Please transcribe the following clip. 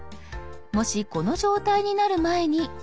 もしこの状態になる前に。